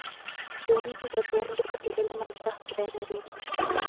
ښوونکي زده کوونکو ته د علم ارزښت بیانوي.